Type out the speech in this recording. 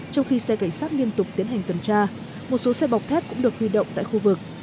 trong khi xe cảnh sát nghiêm tục tiến hành tần tra một số xe bọc thét cũng được huy động tại khu vực